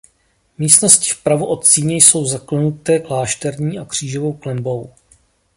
Místnosti vpravo od síně jsou zaklenuté klášterní a křížovou klenbou.